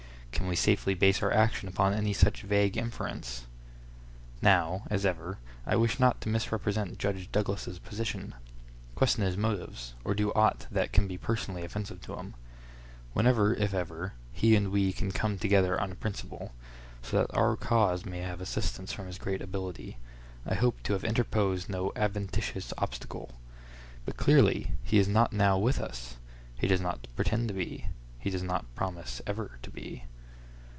Can we safely base our action upon any such vague inference? Now, as ever, I wish not to misrepresent Judge Douglas's position, question his motives, or do aught that can be personally offensive to him. Whenever, if ever, he and we can come together on principle, so that our cause may have assistance from his great ability, I hope to have interposed no adventitious obstacle. But, clearly, he is not now with us—he does not pretend to be, he does not promise ever to be.